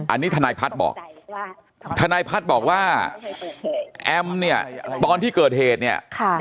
อันนี้ธนายพัฒน์บอกว่าแอมเนี่ยตอนที่เกิดเหตุเนี่ย